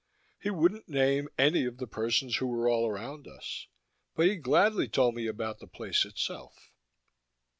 He wouldn't name any of the persons who were all around us. But he gladly told me about the place itself.